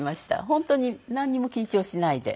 本当になんにも緊張しないで。